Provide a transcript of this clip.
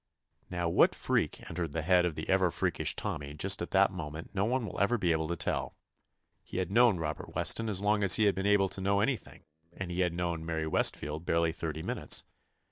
Now what freak entered the head of the ever freakish Tommy just at that moment no one will ever be able to tell. He had known Robert Weston as long as he had been able to know anything, and he had known Mary 91 THE ADVENTURES OF Westfield barely thirty minutes.